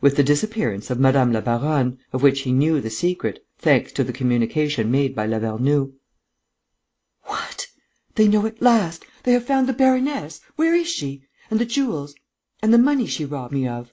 "With the disappearance of madame la baronne, of which he knew the secret, thanks to the communication made by Lavernoux." "What! They know at last! They have found the baroness! Where is she? And the jewels? And the money she robbed me of?"